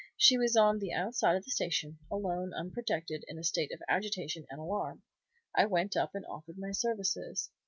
She was on the outside of the station, alone, unprotected, in a state of agitation and alarm. I went up and offered my services.